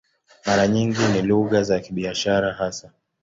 Mara nyingi ni lugha za biashara hasa.